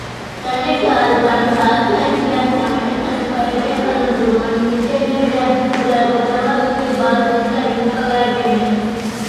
ތަނެއްގައި އަލިފާނުގެ ހާދިސާއެއް ހިނގައިފިނަމަ އެތަނަކަށް އެބޭކަލުން ދުރުވަނީ މިދެންނެވި ރަތް ކުލައިގެ ދަވާދުލީ ބާލިދީތައް ހިއްޕަވައިގެން